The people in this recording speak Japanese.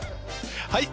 はい。